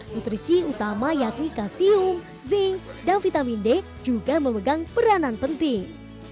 nutrisi utama yakni kalsium zinc dan vitamin d juga memegang peranan penting